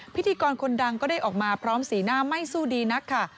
พิธีกรคนดังก็ได้ออกมาพร้อมสีหน้าไม่สู้ดีนักค่ะ